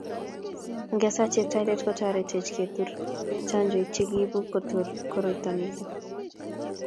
ongesaa Cheptailel kotoretech kotur chanjoit che kikiibu kutur koroito nito